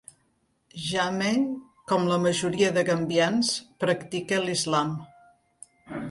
Jammeh, com la majoria de gambians, practica l'Islam.